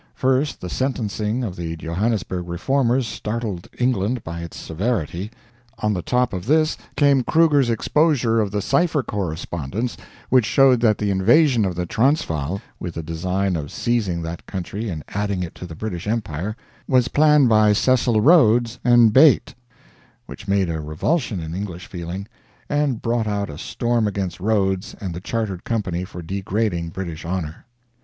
First the sentencing of the Johannesburg Reformers startled England by its severity; on the top of this came Kruger's exposure of the cipher correspondence, which showed that the invasion of the Transvaal, with the design of seizing that country and adding it to the British Empire, was planned by Cecil Rhodes and Beit which made a revulsion in English feeling, and brought out a storm against Rhodes and the Chartered Company for degrading British honor.